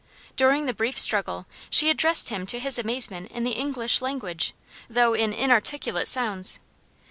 During the brief struggle she addressed him to his amazement in the English language, though in inarticulate sounds.